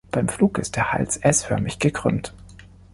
Beim Flug ist der Hals s-förmig gekrümmt.